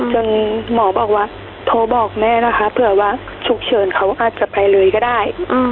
จนหมอบอกว่าโทรบอกแม่นะคะเผื่อว่าฉุกเฉินเขาก็อาจจะไปเลยก็ได้